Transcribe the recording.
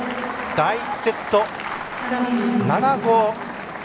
第１セット、７−５。